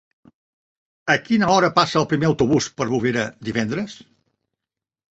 A quina hora passa el primer autobús per Bovera divendres?